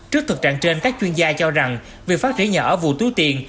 trước thực trạng trên các chuyên gia cho rằng việc phát triển nhà ở vụ túi tiền